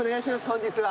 本日は。